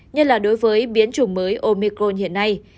nhất là đối với biến chủng mới omicron hiện nay